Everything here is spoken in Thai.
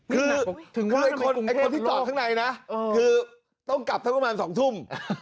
คือคนที่จอดข้างในนะคือต้องกลับสักประมาณ๒ทุ่ม